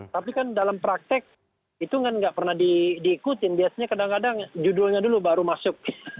tapi kan dalam praktek itu kan nggak pernah diikutin biasanya kadang kadang judulnya dulu baru masuk